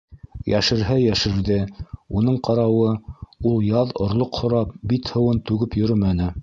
Йәшерһә йәшерҙе, уның ҡарауы, ул яҙ орлоҡ һорап бит һыуын түгеп йөрөмәне.